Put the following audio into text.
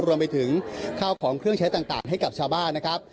รวมไปถึงข้าวของเครื่องใช้ต่างให้กับชาวบ้านนะครับ